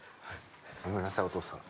ごめんなさいお父さん。